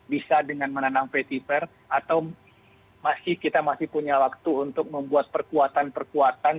bisa dengan menanam paceper atau masih kita masih punya waktu untuk membuat perkuatan perkuatan